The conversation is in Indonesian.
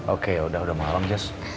oke udah udah malam jess